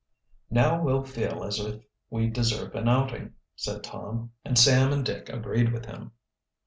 "Now we'll feel as if we deserve an outing," said Tom, and Sam and Dick agreed with him.